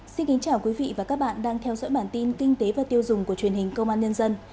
xin kính chào quý vị và các bạn đang theo dõi bản tin kinh tế và tiêu dùng của truyền hình công an nhân dân